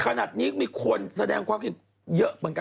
ขนาดนี้มีคนแสดงความคิดเห็นเยอะเหมือนกัน